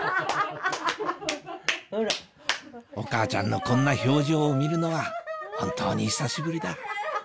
お母ちゃんのこんな表情を見るのは本当に久しぶりだハハハ！